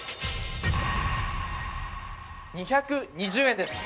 ２２０円です。